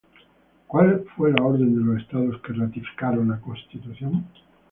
¿Cuál fue la orden de los Estados que ratificaron la Constitución?